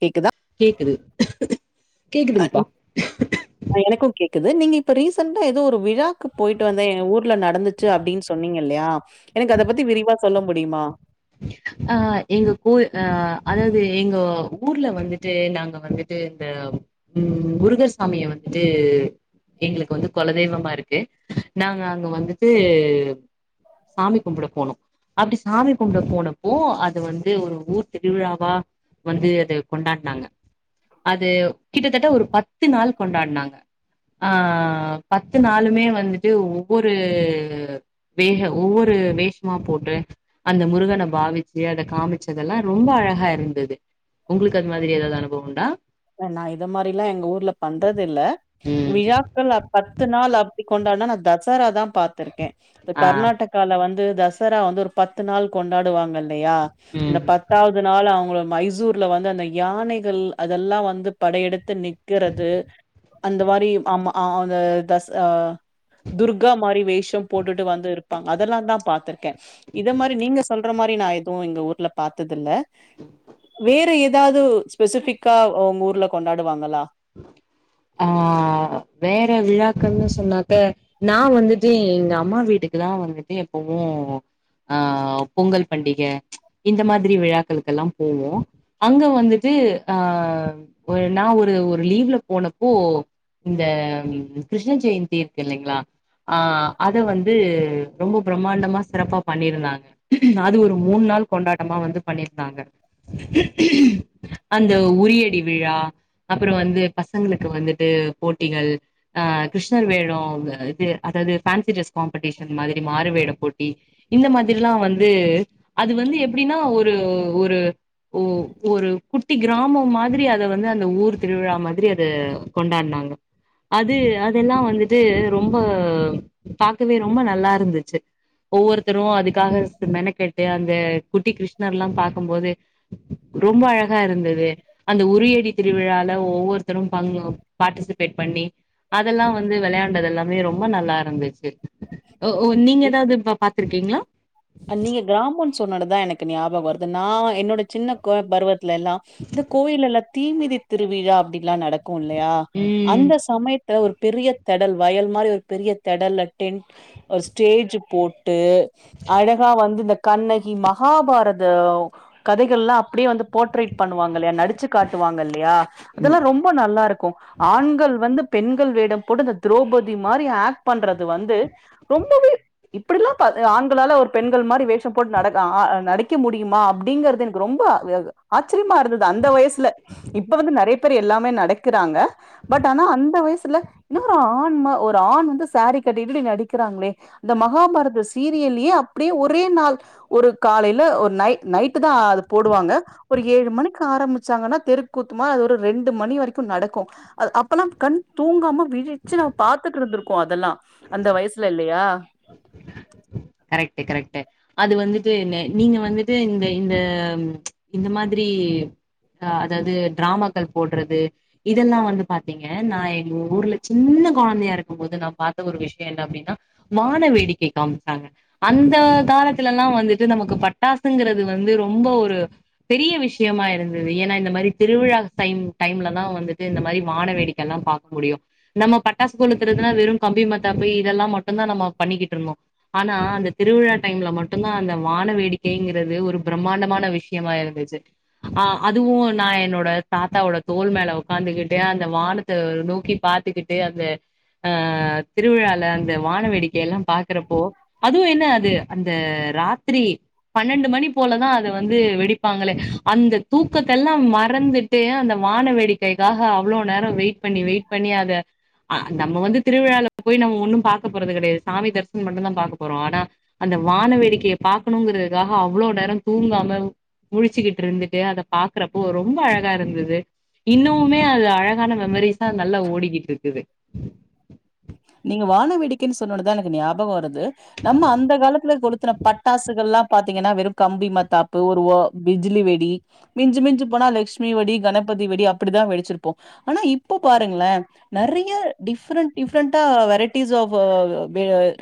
கேக்குதா கேக்குது அ கேக்குதுங்ப்பா எனக்கு கேக்குது நீங்க இப்ப ரீசென்டா ஏதோ ஒரு விழாக்கு போய்ட்டு வந்தே எங்க ஊர்க் ல நடந்துச்சு அப்டின்னு சொன்னீங்க இல்லயா எனக்கு அத பத்தி விரிவா சொல்ல முடியுமா இ [inaudible] அ எங்க கோயி அ அதாவது எங்கோ ஊர்ல வந்துட்டு நாங்க வந்துட்டு இந்த ம் முருகர் சாமிய வந்துட்ட எங்களுக்கு வந்து கொலதெய்வமாருக்கு நாங்க அங்க வந்துட்டு சாமி கும்பிட போனோ அப்டி சாமி கொண்டு போனப்போ அது வந்து ஒரு ஊர் திருவிழாவா வந்து அத கொண்டாட்னாங்க அது கிட்டத்தட்ட ஒரு பத்து நாள் கொண்டாட்னாங்க ஆ பத்து நாளுமே வந்துட்டு ஒவ்வொரு வேக ஒவ்வொரு வேஷமா போட்டு அந்த முருகன பாவிச்சு அத காமிச்சதெல்லா ரொம்ப அழகாருந்தது உங்களுக்கு அது மாதிரி ஏதாவது அனுபவம் உண்டா ஏ நா இத மாதிரில்லா எங்க ஊர்ல பண்றதில்ல ம் விழா பத்து நாள் அப்டி கொண்டானா நா தசரா தா பாத்ருக்கே இந்த ஆ கர்நா க்கால வந்து தசரா வந்து ஒரு பத்து நாள் கொண்டாடுவாங்கள் லயா இந்த ம் பத்தாவது நாள் அவங்கள மைசூர் ல வந்து அந்த யானைகள் அதெல்லா வந்து படையெடுத்து நிக்கிறது அந்த மாரியு ஆமா அந்த தஸா அ துர்கா மாரி வேஷோ போட்டுட்டு வந்து இருப்பாங்க அதெல்லா தா பாத்திருக்கே இத மாரி நீங்க சொல்ற மாரி நா எதுவு எங்க ஊர்ல பாத்தது இல்ல வேற ஏதாது ஸ்பெசிஃபிக்கா உங்க ஊர்ல கொண்டாடுவாங்களா ஆ வேற விழாக்குன்னு சொன்னாக்க நா வந்துட்டு எங்க அம்மா வீட்டுக்கு தா வந்துட்டு எப்பவு அ பொங்கல் பண்டிக இந்த மாரி விழாக்களுக்கு எல்லா போவோ அங்க வந்துட்டு ஆ நா ஒரு ஒரு லீவ்ல போனப்போ இந்த கிருஷ்ண ஜெயந்தி இருக்கு இல்லைங்ளா ஆ அத வந்து ரொம்ப பிரம்மாண்டமா சிறப்பா பண்ணிருந்தாங்க அது ஒரு மூண் நாள் கொண்டாட்டமா வந்து பண்ணி இருந்தாங்க அந்த உறியடி விழா அப்றோ வந்து பசங்களுக்கு வந்துட்டு போட்டிகள் அ கிருஷ்ணர் வேடோ இது அதாவது ஃபோன்சி ட்ரெஸ் காம்படிஷன் மாரி மாறு வேடோ போட்டி இந்த மாதிரிலா வந்து அது வந்து எப்டின்னா ஒரு ஒரு ஓ ஒரு குட்டி கிராமோ மாரி அத வந்து அந்த ஊர் திருவிழா மாதிரி அத கொண்டாட்னாங்க அது அதெல்லா வந்துட்டு ரொம்ப பாக்கவே ரொம்ப நல்லா இருந்துச்சி ஒவ்வொருத்தரு அதுக்காக மென கெட்டு அந்த குட்டி கிருஷ் ணர்லா பாக்கும்போது ரொம்ப அழகா இருந்தது அந்த உறியடி திருவிழா ல ஒவ்வொருத்தரு பங்க பார்ட்டிஸ் பேட் பண்ணி அதெல்லா வந்து விளையாண்டது எல்லாமே ரொம்ப நல்லா இருந்துச்சி ஓ ஓ நீங்க நீ ஏதாது பாத்திருக்கீங்ளா கிராமோன்னு சொன்னதுதா எனக்கு ஞாபகோ வருது நா என்னோட சின்ன கோ பருவத்ல எல்லா இந்த கோயில்ல எல்லா தீமிதி திருவிழா அப்டிலா நடக் கு இல்லயா ம் அந்த சமயத்ல ஒரு பெரிய தடல் வயல் மாரி ஒரு பெரிய தடல் டென்ட் ஸ்டேஜ் போட்டு அழகா வந்து இந்த கண்ணகி மகாபாரத கதைகள்லா அப்டியே வந்து போர்ட்ரேட் பண்ணுவாங்க இல்லயா நடிச்சி காட்டுவாங்க இல்லயா அதெல்லா ரொம்ப ரொம்ப நல்லா இருக்கு ஆண்கள் வந்து பெண்கள் வேடோ போட்டு இந்த திரௌபதி மாரி ஆக்ட் பண்ற அது வந்து ரொம்பவே இப்டிலா பாத் ஆண்களால ஒரு பெண்கள் மாரி வேஷோ போட்டு நடக் ஆ நடிக்க முடியுமா அப்டிங்றது எனக் ரொம்ப வ ஆச்ரியமா இருந்தது அந்த வயசுல இப்போ வந்து நெறைய பேர் எல்லாமே நடக்குறாங்க பட் ஆனா அந்த வயசுல இன்னா ஒரு ஆண்மா ஒரு ஆண் வந்து சாரீ கட்டி இப்டி நடிக்கிறாங்ளே அந்த மகாபாரத சீரியலயே அப்டியே ஒரே நாள் ஒரு காலைல ஒரு நைட் நைட் நைட்டு தா அது போடுவாங்க ஒரு ஏழு மணிக் கு ஆரம்பிச்சாங்கன்னா தெருக்கூத்துமா அது ஒரு ரெண்டு மணி வரைக்கு நடக்கு அப்பல்லா கண் தூங்காம விழிச்சி நம் பாத்துட்டு இருந்திருக்கோ அதெல்லா அந்த வயசுல இல்லயா கரெக்ட் கரெக்ட் அது வந்துட்டு என்ன நீங்க வந்துட்டு இந்த இந்த ம் இந்த மாதிரி ஆ அதாது டிராமாக்கள் போட்றது இதெல்லா வந்து பாத்தீங்க நா எங்க ஊர்ல சின்ன கொழந்தயா இருக்கு போது நா பாத்த ஒரு விஷயோ என்ன அப்டின்னா வான வேடிக்கை காமிச் சாங்க அந்த காலத்லலா வந்துட்டு நமக்கு பட்டாசுங்றது வந்து ரொம்ப ஒரு பெரிய விஷயமா இருந்தது ஏன்னா இந்த மாரி திருவிழா டைம் டைம்ல தா வந்துட்டு இந்த மாரி வானவேடிக்க எல்லா பாக் கமுடியு நம்ம பட்டாசு கொளுத்துறதுன்னா வெறு கம்பி மத்தாப்பு இதெல்லா மட்டுதா நம்ம பண்ணிக்கிட்டு இருந்தோ ஆனா அந்த திருவிழா டைம்ல மட்டுந்தா அந்த வான வேடிக்கையிங்கறது ஒரு பிரம்மாண்டமான விஷயமா இருந்துச்சி ஆ அதுவு நா என்னோட தாத்தாவோட தோல் மேல ஒட்காந்துகிட்டு அந்த வானத்த நோக்கி பாத்துக்கிட் து அந்த அன் திருவிழால அந்த வான வேடிக்க எல்லா பாக்றப்போ அதுவு என்ன அது அந்த ராத்ரி பன்னெண்டு மணி போலதா அத வந்து வெடிப்பாங்களே அந்த தூக்கத்தெல்லா மறந்து ட்டு அந்த வான வேடிக்கைக்காக அவ்ளோ நேரோ வெயிட் பண்ணி வெயிட் பண்ணி அத ஆ நம்ம வந்து திருவிழா போய் நம ஒண்ணு பாக்க போறது கெடையாது சாமி தர் சனம் மட்டு தா பாக்க போறோ ஆனா அந்த வான வேடிக்கய பாக்கணுங்கிறதுக்காக அவ்ளோ நேரோ தூங்காம முழிச்சசிக்கிட்டு இருந்துட்டு அத பாக்றப்போ ரொம்ப அழகா இருந்தது இன்னுமே அது அழகான மெமரிஸா நல்லா ஓடிக்கிட்டு இருக்குது நீங்க வான வேடிக்கன்னு சொன்னுன்னுதா எனக்கு ஞாபகோ வருது நம்ம அந்த காலத்துல கொளுத்துன பட்டாசுகல்லா பாத்தீங்கன்னா வெறும் கம்பி மத்தாப்பு ஒரு பிஜிலி வெடி மிஞ்சு மிஞ்சு போனா லஷ்மி வெடி கணபதி வெடி அப்டிதா வெடிச்சிருப்போம் ஆனா இப்ப பாருங்களே நெறைய டிஃரெண்ட் டிஃபரெண்டா வெரைட்டிஸ் ஆப் அ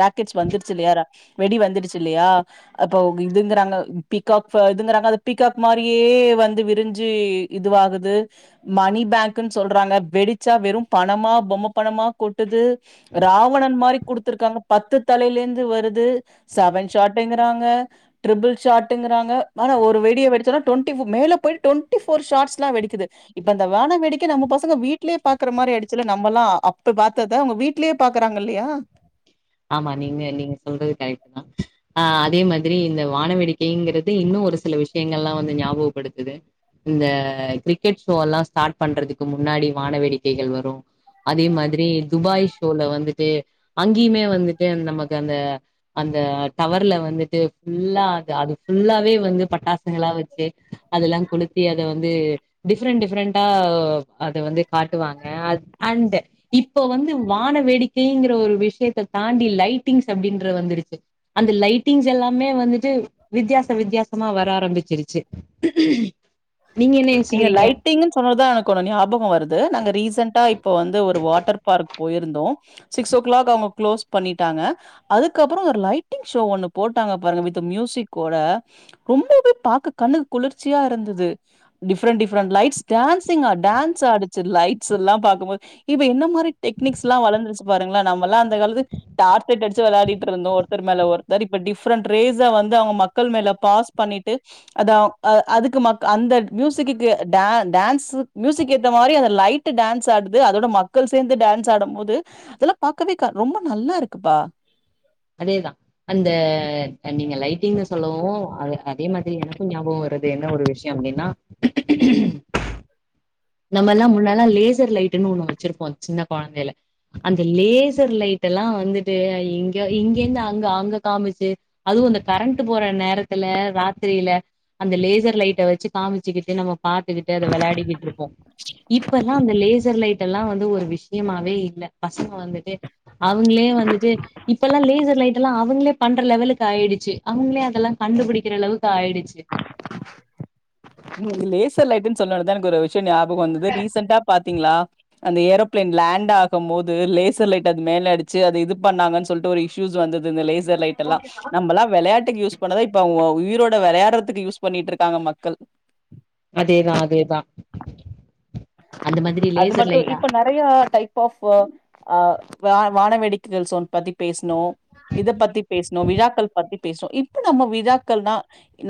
ரா க்கெட்ஸ் வந்துருச்சுல்லயா வெடி வந்துருச்சுல்லயா அப்ப இதுங்குறாங்க பீக்காக் இதுங்குறாங்க அது பீக்காக் மாரியே வந்து விரிஞ்சி இதுவாகுது மணி பேங்க்னு சொல்றாங்க வெடிச்சா வெறும் பணமா பொம்ம பணமா கொட் ட்டுது ராவணன் மாரி குடுத்துருக்காங்க பத்து தலையில இருந்து வருது செவன் ஷாட்டுங்கிறாங்க ட்ரிபிள் ஷாட்டுங்குறாங்க ஆனா ஒரு வெடிய வெடிச்சோனா டுவெண்டி மேல போயிட் டுவெண்டி ஃபோர் ஷாட்ஸ்லாம் வெடிக்குது இப்ப அந்த வான வேடிக்க நம்ம பசங்க வீட்லயே பாக்குற மாரி ஆயிடுச்சுல நம்மல்லாம் அப்ப பாத் த்தத அவங்க வீட்லயே பாக்குறாங்கல்லயா ஆமா நீங்க நீங்க சொல்றது கரெட்டு தா அ அதே மாதிரி இந்த வான வேடிக்கைங்கிறது இன்னும் ஒரு சில விஷயங்கள்லா வந்து ஞாபகப்படுத்துது இந்த கிரிக்கெட் ஷோ ல்லாம் ஸ்டார்ட் பண்றதுக்கு முன்னாடி வான வேடிக்கைகள் வரும் அதே மாதிரி துபாய் ஷோல வந்துட்டு அங்கியுமே வந்துட்டு நமக்கு அந்த அந்த டவர்ல வந்துட்டு ஃபுல்லா அது அது ஃபுல்லாவே வந்து பட்டாசுங்களா வச்சு அதெல்லா கொளுத்தி அத வந்து டிஃப்ரெண்ட் டிஃப்ரெண்டண்டா அத வந்து காட்டுவாங்க அண்டு இப்ப வந்து வான வேடிக்கைங்கிற ஒரு விஷயத்த தாண்டி லைட்டிங்ஸ் அப்டின்ற வந்துருச்சு அந்த லைட்டிங்ஸ் எல்லாமே வந்துட்டு வித்தியாச வித்தியாசமா வர ஆரம்பிச்சிருச்சு ஹஉம் நீங்க லைட்டிங்ன்னு சொன்னதுதா எனக் க்கு ஒன்னு ஞாபகம் வருது நாங்க ரீசெண்டா இப்ப வந்து ஒரு வாட்டர் பார்க் போயிருந்தோம் சிக்ஸ் ஓ க்ளாக் அவங்க க்ளோஸ் பண்ணிட்டாங்க அதுக்கப்பறம் அந்த லைட்டிங் ஷோ ஒண்ணு போட்டாங்க பாருங்க வித் மியூசிக் ஓட ரொம்பவே பாக்க கண்ணுக்கு குளிர்ச்சியா இருந்தது டிஃப்ரெண்ட் டிஃப்ரெண்ட் லைட்ஸ் டான்சிங் ஆ டான்ஸ் ஆடுச்சு லைட்ஸ் எல்லா பாக்கும்போது இப்ப என்ன மாரி டெக்னிக்ஸ்லா வளந்துருச்சு பாருங்களே நம்மல்லா அந்த காலத்து டார்ச் லைட் அடிச்சு வெளாடிட்டு இருந்தோம் ஒருத்தர் மேல ஒருத்தர் இப்ப டிஃப்ரெண்ட் ரேஸ வந்து அவங்க மக்கள் மேல பாஸ் பண்ணிட்டு அத அ அதுக்கு மக் அந்த மியூசிக்குக்கு டா டான்ஸ் மியூசிக் ஏத்த மாரி அந்த லைட்டு டான்ஸ் ஆடுது அதோட மக் மக்கள் சேர்ந்து டேன்ஸ் ஆடும் போது அதெல்லா பாக்கவே க ரொம்ப நல்லா இருக்குப்பா அதேதா அந்த நீங்க லைட்டிங்னு சொல்லவும் அது அதே மாதிரி எனக்கும் ஞாபகம் வருது என்ன ஒரு விஷயம் அப்டின்னா நம்மல்லா முன்னல்லா லேசர் லைட்டுன்னு ஒண்ணு வச்சிருப்போம் சின்ன கொழந்தைல அந்த லேசர் லைட் எல்லா வந்துட்டு இங்க இங்கேந்து அங்க அங்க காமிச்சு அதுவு இந்த கரண்ட் போற நேரத்துல ராத்திரில அந்த லேசர் லைட்ட வச்சு காமிச்சுக்கிட்டு நம்ம பாத்துகிட்டு அத விளையாடிக்கிட்டுருப்போ இப்பெல்லா அந்த லேசர் லைட் எல்லா வந்து ஒரு விஷ்யமாவே இல்ல பசங்க வந்துட்டு அவ்ங்களே வந்துட்டு இப்ப எல்லா லேசர் லைட்டெல்லா அவுங்களே பண்ற லெவலுக்கு ஆயிடுச்சு அவங்களே அதெல்லா கண்டுபிடிக்கிற அளவுக்கு ஆயிடுச்சு லேசர் லைட்டுன் சொன்ன ஒடதா எனக்கு ஒரு விஷ்யோ ஞாபகோ வந்தது ரீசென்டா பாத்தீங்களா அந்த ஏரோப்ளேன் லேண்ட் ஆகும் போது லேசர் லைட்ட அது மேல அடிச்சு அது இது பண்ணாங்கன் சொல்லிட்டு ஒரு இ ஷூஸ் வந்தது இந்த லேசர் லைட்டல்லா நம்பல்லா வெளையாட்டுக் யூஸ் பண்ணத இப்ப அவ உயிரோட வெளையாடுறதுக்கு யூஸ் பண்ணிட்டு இருக்காங்க மக்கள் அதேதா அதேதா அந்த மாதிரி அது லேசர் மட்டு லைட்டா இப்ப ந நிறயா டைப் ஆப் அ அ வான வேடிக்கைகள் சவுண்ட் பத்தி பேஸ்னோ இத பத்தி பேஸ்னோ விழாக்கள் பத்தி பேசு இப்ப நம்ம விழாக்கள்னா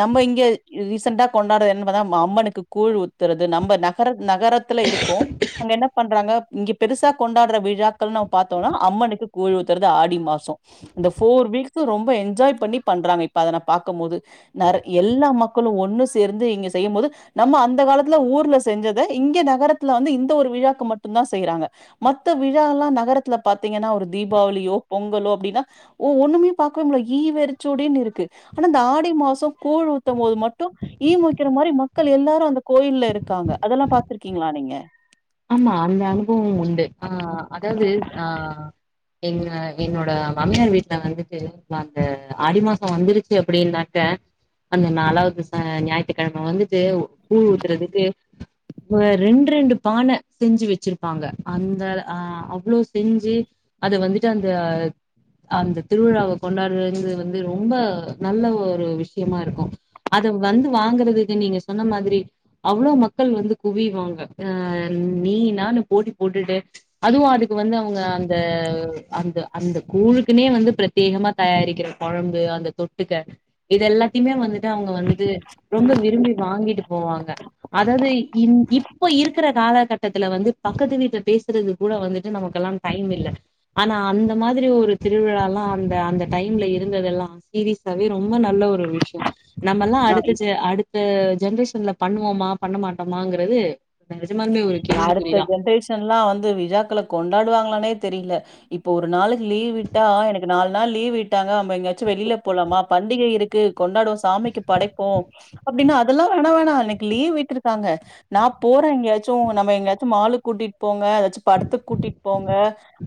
நம்ம இங்க ரீசெண்ட்டா கொண்டாடு என்னன் பாத்தா அம் அம்மனுக்கு கூழ் ஊத்துறது நம்ப நகர நகர துல இருக்கு அங்க என்ன பண்றாங்க இங்க பெருசா கொண்டாடுற விழாக்கள்னு பாத்தோ அம்மனுக்கு கூழ் ஊத்துரது ஆடி மாசோ இந்த ஃபோர் வீக் கு ரொம்ப என்ஜாய் பண்ணி பண்றாங்க இப்ப அத நா பாக்க போது நற எல்லா மக்களு ஒண்ணு சேர்ந்து இங்க செய்யும் போது நம்ம அந்த காலத்துல ஊர்ல செஞ்சத இங்க நகரத்துல வந்து இந்த ஒரு விழாக்கு மட்டு தா செய்றாங்க மத்த விழால்லா நகரத்தல பாத்தீங்கன்னா ஒரு தீபாவளியோ பொங்கலோ அப்டின்னா ஓ ஒண்ணுமே பாக்கவே முள்ள ஈ வெரிச்சோடினு இருக்கு அனா இந்த ஆடி மாசோ கூழ் ஊத்து போது மட்டு ஈமுக்கிற மாரி மக்கள் எல்லாரு அந்த கோயில்ல இருக்காங்க அதெல்லா பாத்துருக்கீங்களா நீங்க ஆமா அந்த அனுபவம் உண்டு ஆ அதாவது ஆ எங்க என்னோட மாமியார் வீட்டுல வந்துட்டு அந்த ஆடி மாசோ வந்துருச்சு அப்டின்ன த அந்த நாலாவுது ச ஞாயித்துக்கிழம வந்துட்டு கூழ் ஊத்துரதுக்கு ரெண் ரெண்டு பான்ன செஞ்சு வெச்சிருப்பாங்க அந்த அ அவ்ளோ செஞ்சு அது வந்துட்டு அந்த அந்த திருவிழாவ கொண்டாடுறது வந்து ரொம்ப நல்ல ஒரு விஷ்யமா இருக்கு அத வந்து வாங்கறதுக்கு நீங்க சொன்ன மாதிரி அவ்ளோ மக்கள் வந்து குவியுவாங்க அ நீ நானு போட்டி போட்டுட்டு அதுவா அதுக்கு வந்து அவங்க அந்த அந்த அந்த கூழுக்குனே வந்து பிரச் வேகமா தயாரிக்கிர கெழம்பு அந்த தொட்டுக்க இது எல்லாத்தையுமே வந்துட்டு அவங்க வந்துட்டு ரொம்ப விரும்பி வாங்கிட்டு போவாங்க அதாவது இன் இப் இப்ப இருக்கிற காலகட்டத்துல வந்து பக்கத்து வீட்டு பேசுறது கூட வந்துட்டு நமக்கு எல்லா டைம் இல்ல ஆனா அந்த மாதிரி ஒரு திருவிழால்லா அந்த அந்த டைம்ல இருந்ததெல்லா சீரியஸாவே ரொம்ப நல்ல ஒரு விஷ்யோ நம்மல்லா ஆ அடுத்த ஜ அடுத்த ஜென்ரேஷன்ல பண்ணுவோமா பண்ண மாட்டோமாங்கறது நெஜமால்மே ஒரு அடுத்த ஜென்ரேஷன் எல்லா வந்து விழாக்கல கொண்டாடுவாங்களானே தெரியில்ல இப்ப ஒரு நாளை லீவ் விட்டா எனக்கு நால் நாள் லீவ் விட்டாங்க நம்ப எங்காச்சு வெளியில போலாமா பண்டிகை இருக் கு கொண்டாடுவோ சாமிக்கு படைப்போ அப்டின்னா அதெல்லா வேனா வேனா எனக்கு லீவ் விட்டுருக் காங்க நா போறே எங்கயாச்சு நம்ம எங்கயாச்சு மாலுக் கூட்டிட் போங்க எதாச்சு படத்துக் கூட்டிட் போங்க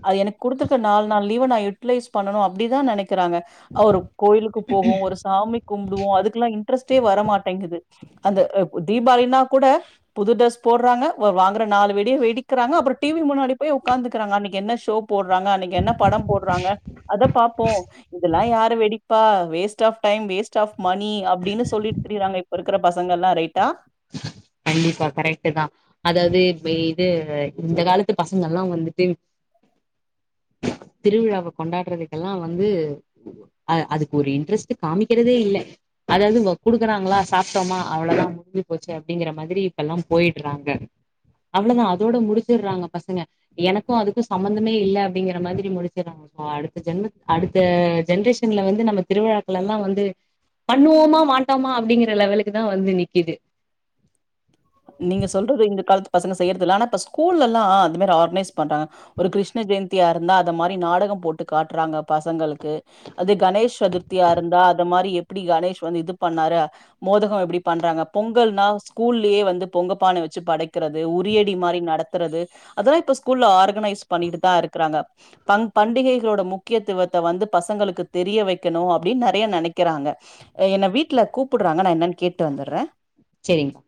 அது எனக் குடுத்துருக்க நால் நாள் லீவ நா யூட்லைஸ் பண்ணனு அப்டிதா நெனைக்கிறாங்க அவுரு கோயிலுக்கு போவோ ஒரு சாமி கும்புடுவோ அதுக்குல்லா இன்ட்ரெஸ்ட்டே வரமாட்டேங்கிது அந்த அ தீபாவளின்னா கூட புது ட்ரஸ் போட்றாங்க ஒ வாங்கற நாலு வெடிய வெடிக்கறாங்க அப்றோ டி வி முன்னாடி போய் உக்காந்துக்கிறாங்க அன்னிக் என்ன ஷோ போட்றாங்க அன்னைக் என்ன படம் போட்றாங்க அத பாப்போ இதெல்லா யாரு வெடி ப்பா waste of time waste of money அப்டினு சொல்லிட் திரியிறாங்க இப்ப இருக்கற பசங்கெல்லா ரைட்டா கண்டிப்பா கரெக்ட்டு தா அதாவ்து இப்ப இது இந்த காலத்து பசங்கல்லா வந்துட்டு திருவிழாவ கொண்டாட்றதுக்கெல்லா வந்து அ அதுக்கொரு இன்ட்ரெஸ்ட்டு காமிக்கறதே இல்ல அதாவ்து இவ்ங்க குடுக்கறாங்ளா சாப்ட்டோமா அவ்ள தா முடிஞ்சி போச்சு அப்டிங்கிற மாதிரி இப்பெல்லா போயிட்றாங்க அவ்ள தா அதோட முடிச்சர்றாங்க பசங்க எனக்கு அதுக்கு சம்மந்தமே இல்ல அப்டிங்கிற மாதிரி முடிச்சர்றாங்க அ அடுத்த ஜென்மத் அடுத்த ஜென்ரேஷன்ல வந்து நம்ம திருவிழாக்கள் எல்லா வந்து பண்ணுவோமா மாட்டோமா அப்டிங்கிற லெவலுக்கு தா வந்து நிக்கிது நீங்க சொல்றது இந்த காலத்து பசங்க செய்யற்தில்ல ஆனா இப்ப ஸ்கூல்லெல்லா அது மாரி ஆர்கனேஸ் பண்றாங் ஒரு கிருஷ்ண ஜெயந்தியா இருந்தா அத மாரி நாடகம் போட்டு காட்றாங்க பசங்களுக்கு அதே கணேஷ் சதுர்த்தியா இருந்தா அத மாரி எப்பிடி கணேஷ் வந்து இது பண்ணாரு மோதகோ எப்டி பண்றாங்க பொங்கல்னா ஸ்கூல்லே வந்து பொங்கப்பான வெச்சு படைக்கறது உரியடி மாரி நடத்துறது அதெல்லா இப்ப ஸ்கூல்ல ஆர்கனைஸ் பண்ணீட்டு தா இருக்கறாங்க பங் பண்டிகைகளோட முக்கியத்துவத்த வந்து பசங்களுக்கு தெரிய வெக்கணு அப்டின் நெறைய நெனைக்கறாங்க என்ன வீட்ல கூப்புட்றாங்க நா என்னன் கேட்டு வந்தர்றே செரிங்பா